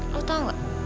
lo tau gak